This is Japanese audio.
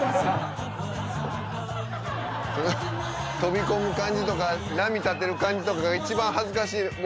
その飛び込む感じとか波立てる感じとかが一番恥ずかしい。